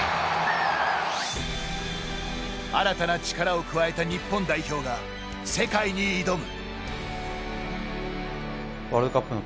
新たな力を加えた日本代表が世界に挑む。